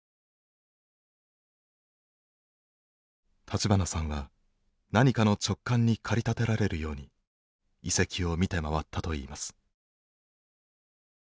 立花さんは何かの直感に駆り立てられるように遺跡を見て回ったといいます。